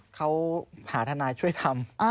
เขาหาทนายช่วยทำ